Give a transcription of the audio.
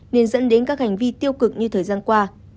nên dẫn đến các hành vi tiêu cực như thời gian qua